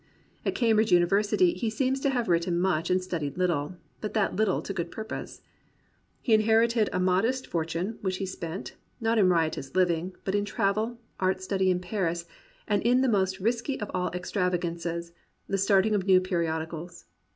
At Cambridge University he seems to have written much and studied Httle, but that little to good purpose. He inherited a modest for tune, which he spent, not in riotous living, but in travel, art study in Paris, and in the most risky of all extravagances, the starting of new periodicals.